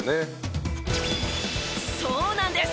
そうなんです。